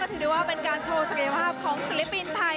ถือได้ว่าเป็นการโชว์ศักยภาพของศิลปินไทย